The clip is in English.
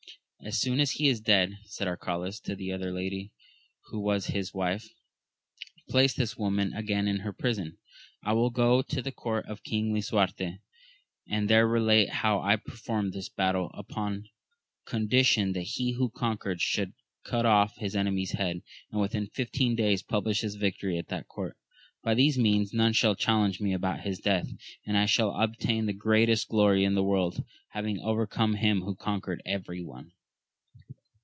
As soon as he is dead, said Arcalaus to that other lady who was his wife, place this woman again in her prison. I will go to the court of King Lisuarte, and there relate how I performed this battle, upon condition that he who conquered should cut off his enemy's hdad, and within fifteen days publish his victory at that court. By these means none shall challenge me about his death, and I shall obtain the greatest glory in the world, having overcome him who conquered every one.